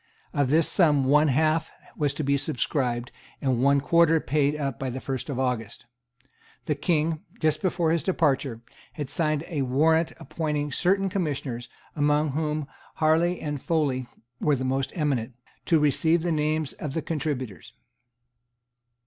Of this sum one half was to be subscribed, and one quarter paid up by the first of August. The King, just before his departure, had signed a warrant appointing certain commissioners, among whom Harley and Foley were the most eminent, to receive the names of the contributors.